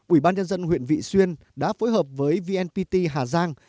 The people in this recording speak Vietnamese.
ủy ban nhân dân huyện vị xuyên đã phối hợp với vnpt hà giang